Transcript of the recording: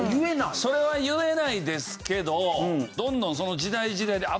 それは言えないですけどどんどん。